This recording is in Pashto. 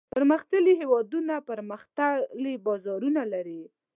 پرمختللي هېوادونه پرمختللي بازارونه لري.